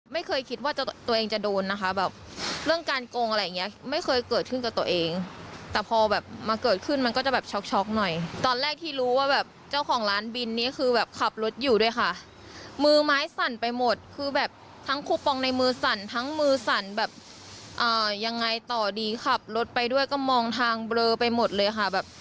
ไม่เคยคิดว่าตัวเองจะโดนนะคะแบบเรื่องการโกงอะไรอย่างเงี้ยไม่เคยเกิดขึ้นกับตัวเองแต่พอแบบมาเกิดขึ้นมันก็จะแบบช็อกช็อกหน่อยตอนแรกที่รู้ว่าแบบเจ้าของร้านบินนี้คือแบบขับรถอยู่ด้วยค่ะมือไม้สั่นไปหมดคือแบบทั้งคูปองในมือสั่นทั้งมือสั่นแบบอ่ายังไงต่อดีขับรถไปด้วยก็มองทางเบลอไปหมดเลยค่ะแบบ